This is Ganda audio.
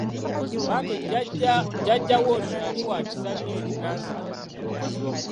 Bambi jjajja we ono yali wa kisa nnyo eri Nanziri.